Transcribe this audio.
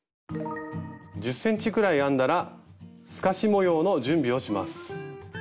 １０ｃｍぐらい編んだら透かし模様の準備をします。